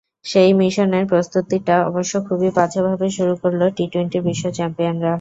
সেই মিশনের প্রস্তুতিটা অবশ্য খুবই বাজেভাবে শুরু করল টি-টোয়েন্টির বিশ্ব চ্যাম্পিয়নরা।